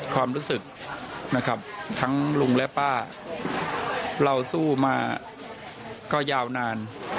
ความรู้สึกนะครับทั้งลุงและป้าเราสู้มาก็ยาวนาน